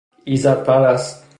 ایزد پرست